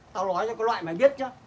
tao nói cho con loại mày biết nhá